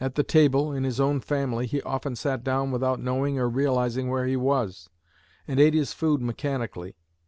At the table, in his own family, he often sat down without knowing or realizing where he was, and ate his food mechanically.